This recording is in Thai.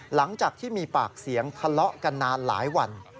หลังจากที่มีปากเสียงทะเลาะกันนานหลายวัน